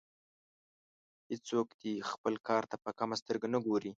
هیڅوک دې خپل کار ته په کمه سترګه نه ګوري.